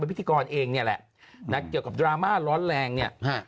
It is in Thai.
เป็นพิธีกรเองเนี่ยแหละนะเกี่ยวกับรามารร้อนแรงเนี้ยอ่า